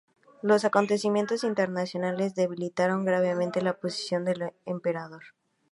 Los acontecimientos internacionales debilitaron gravemente la posición del emperador.